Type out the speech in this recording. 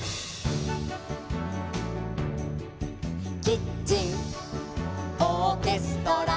「キッチンオーケストラ」